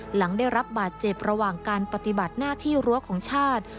หลังได้รับบาดเจ็บระหว่างการปฏิบัติหน้าที่รั้วของชาติ